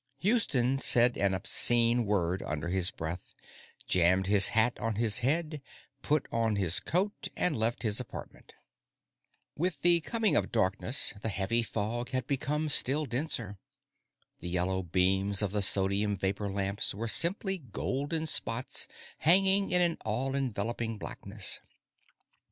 Houston said an obscene word under his breath, jammed his hat on his head, put on his coat, and left his apartment. With the coming of darkness, the heavy fog had become still denser. The yellow beams of the sodium vapor lamps were simply golden spots hanging in an all enveloping blackness.